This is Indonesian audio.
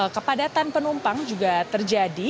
kepadatan penumpang juga terjadi